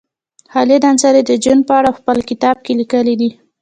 خالد انصاري د جون په اړه په خپل کتاب کې لیکلي دي